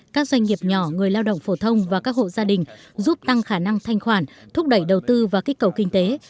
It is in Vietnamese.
các doanh nghiệp nhỏ người lao động phổ thông và các hộ gia đình giúp tăng khả năng thanh khoản thúc đẩy đầu tư và kích cầu kinh tế